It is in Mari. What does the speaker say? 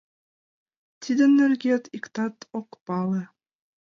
Тидын нерген иктат ок пале.